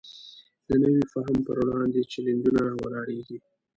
د نوي فهم پر وړاندې چلینجونه راولاړېږي.